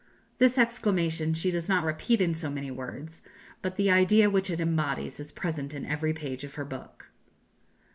This exclamation she does not repeat in so many words, but the idea which it embodies is present in every page of her book.